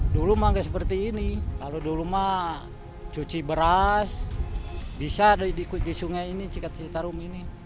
dulu mangga seperti ini kalau dulu mah cuci beras bisa di sungai ini cikat citarum ini